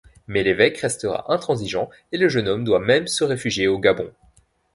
Mais l’évêque restera intransigeant et le jeune homme doit même se réfugier au Gabon.